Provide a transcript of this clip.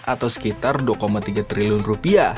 atau sekitar dua tiga triliun rupiah